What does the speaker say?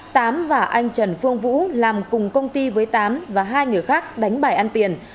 tám và anh trần phương vũ làm cùng công ty với tám và hai người khác đánh bài ăn tiền